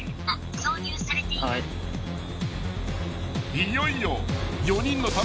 ［いよいよ］